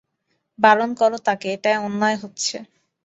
বারণ করো তাঁকে, এটা অন্যায় হচ্ছে।